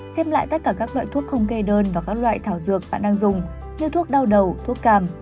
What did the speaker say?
xem lại tất cả các loại thuốc không kê đơn và các loại thảo dược bạn đang dùng như thuốc đau đầu thuốc càm